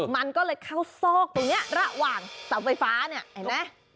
มันก็เลยเข้าซอกตรงเนี่ยระหว่างสำไฟฟ้าเนี่ย